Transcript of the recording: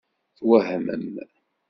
Twehmem.